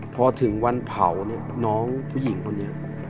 พอถึงวันเผาเนี่ยน้องผู้หญิงคนนี้